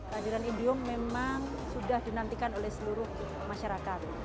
hadiran indihome memang sudah dinantikan oleh seluruh masyarakat